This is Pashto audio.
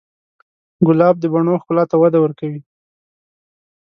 ګلاب د بڼو ښکلا ته وده ورکوي.